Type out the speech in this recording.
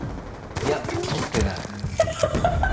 いや、取ってない。